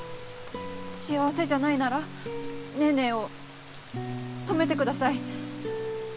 幸せじゃないならネーネーを止めてください。